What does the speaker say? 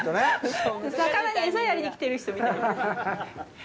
魚に餌やりに来てる人みたい。